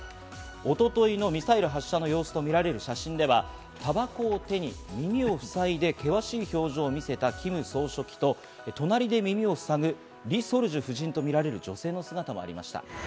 一昨日のミサイル発射の様子とみられる写真では、たばこを手に耳をふさいで、険しい表情を見せたキム総書記と隣で耳をふさぐリ・ソルジュ夫人とみられる女性の姿もありました。